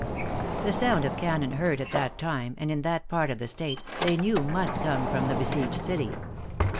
The sound of cannon heard at that time, and in that part of the State, they knew must come from the besieged city.